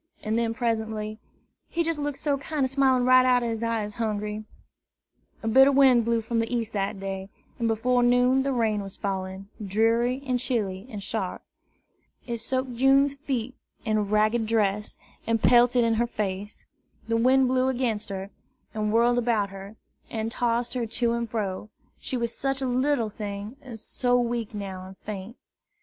and then presently, "He jes' look so kinder smilin' right out ob his eyes, Hungry!" A bitter wind blew from the east that day, and before noon the rain was falling, dreary and chilly and sharp. It soaked June's feet and ragged dress, and pelted in her face. The wind blew against her, and whirled about her, and tossed her to and fro, she was such a little thing, and so weak now and faint.